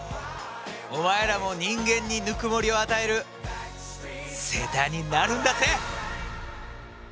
お前らも人間にぬくもりを与えるセーターになるんだぜ！